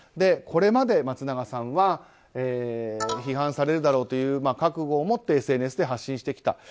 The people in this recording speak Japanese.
これまで松永さんは批判されるだろうという覚悟を持ってＳＮＳで発信してきた。